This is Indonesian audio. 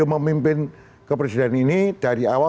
itu menunjukkan keterbihan beliau kepada rakyat